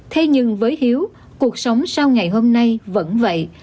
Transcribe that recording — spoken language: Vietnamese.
thế nhưng với hiếu cuộc sống sau ngày hôm nay vẫn vậy